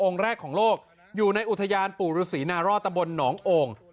แรกของโลกอยู่ในอุทยานปู่ฤษีนารอดตำบลหนองโอ่ง